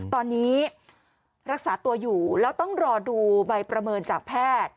ตอนนี้รักษาตัวอยู่แล้วต้องรอดูใบประเมินจากแพทย์